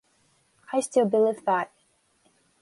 I still believe that.